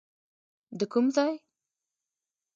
د کوم ځای؟